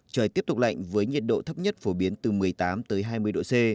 trời tiếp tục lạnh với nhiệt độ thấp nhất phổ biến từ một mươi tám tới hai mươi độ c